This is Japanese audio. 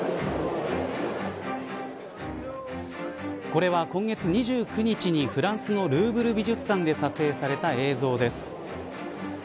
これは今月２９日に、フランスのルーブル美術館で撮影された映像です。